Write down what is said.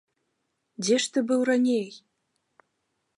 Дзе ж ты быў раней?